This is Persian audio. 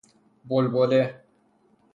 بلبله